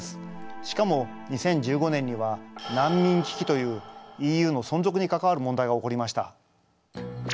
しかも２０１５年には難民危機というＥＵの存続に関わる問題が起こりました。